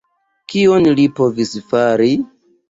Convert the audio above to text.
Kion li povis fari?